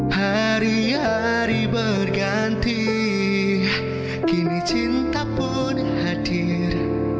hari hari berganti kini cinta pun hadir